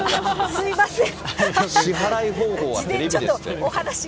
すみません。